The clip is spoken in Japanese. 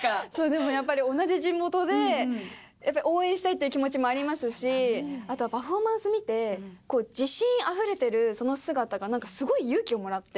でもやっぱり同じ地元でやっぱり応援したいっていう気持ちもありますしあとはパフォーマンス見て自信あふれてるその姿がなんかすごい勇気をもらって。